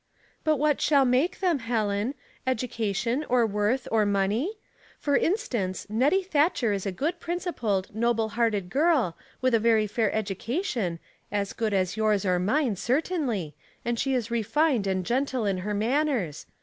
"But what shall make them, Helen — educa tion, or worth, or money ? For instance, Nettie Thatcher is a good principled, noble hearted girl, with a very fair education, as good as yours or mine certainly, and she is refined and gentle in her manners.